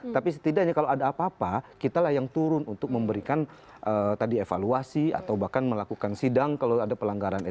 tapi setidaknya kalau ada apa apa kitalah yang turun untuk memberikan tadi evaluasi atau bahkan melakukan sidang kalau ada pelanggaran etik